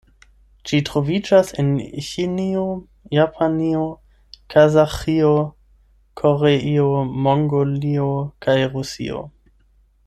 Ĝi troviĝas en Ĉinio, Japanio, Kazaĥio, Koreio, Mongolio kaj Rusio.